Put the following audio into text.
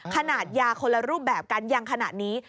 ขนาดยาคนละรูปแบบกันอย่างขนาดนี้